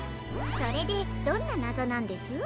それでどんななぞなんです？